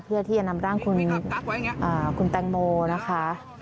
เพื่อที่แม่นอำนาจหล่างคุณแตงโมนะคะ